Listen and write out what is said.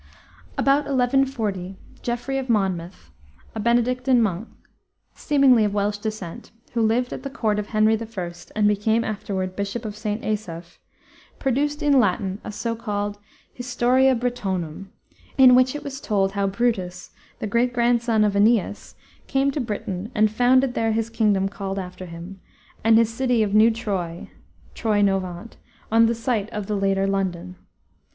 About 1140 Geoffrey of Monmouth, a Benedictine monk, seemingly of Welsh descent, who lived at the court of Henry the First and became afterward bishop of St. Asaph, produced in Latin a so called Historia Britonum in which it was told how Brutus, the great grandson of Aeneas, came to Britain, and founded there his kingdom called after him, and his city of New Troy (Troynovant) on the site of the later London.